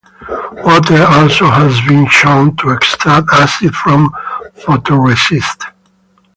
Water also has been shown to extract acid from photoresist.